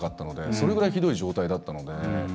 それぐらいひどい状態だったので。